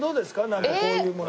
なんかこういうもの。